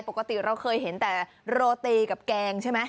ปกติเราเคยเห็นแต่โรตีกับแกงใช่ไหม